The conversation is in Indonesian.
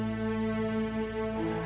benci pakaian kabinious